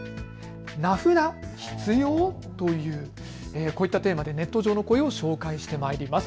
名札、必要？というこういったテーマでネット上の声を紹介してまいります。